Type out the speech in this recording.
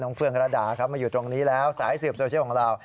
เฟืองระดาเขามาอยู่ตรงนี้แล้วสายสืบโซเชียลของเรา